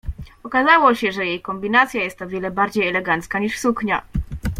Okazało się, że jej kombinacja jest o wiele bardziej elegancka niż suknia.